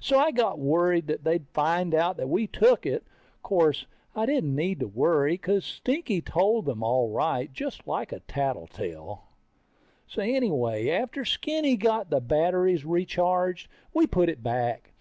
So I got worried that they'd find out that we took it. Course, I didn't need to worry, because Stinky told them all right, just like a tattletale. So anyway, after Skinny got the batteries recharged, we put it back.